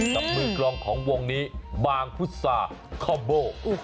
กับมือกลองของวงนี้บางพุษาคอมโบ